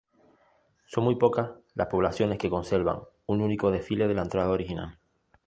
Son muy pocas las poblaciones que conservan un único desfile de la Entrada original.